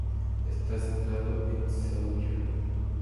Está centrado en Sawyer.